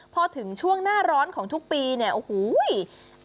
พอถึงช่วงหน้าร้อนของทุกปีเนี่ยโอ้โห